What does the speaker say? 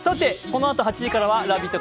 このあと８時からは「ラヴィット！」